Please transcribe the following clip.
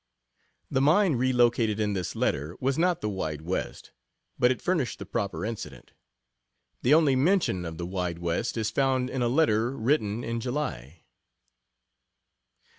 The mine relocated in this letter was not the "Wide West," but it furnished the proper incident. The only mention of the "Wide West" is found in a letter written in July.